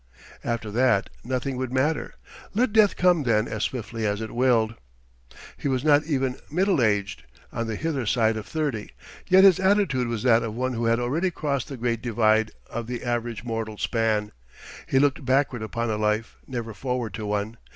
After that, nothing would matter: let Death come then as swiftly as it willed.... He was not even middle aged, on the hither side of thirty; yet his attitude was that of one who had already crossed the great divide of the average mortal span: he looked backward upon a life, never forward to one.